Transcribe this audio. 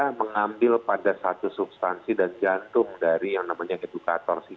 dia mengambil pada satu substansi dan jantung yang namanya edukator